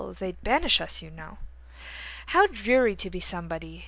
They 'd banish us, you know. How dreary to be somebody!